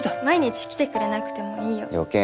毎日来てくれなくてもいいよ。